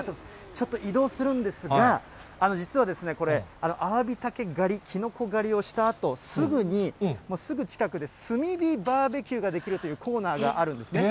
ちょっと移動するんですが、実はこれ、アワビタケ狩り、キノコ狩りをしたあとすぐに、すぐ近くで炭火バーベキューができるというコーナーがあるんですね。